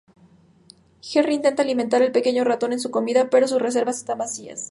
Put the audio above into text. Jerry intenta alimentar al pequeño ratón con su comida, pero sus reservas están vacías.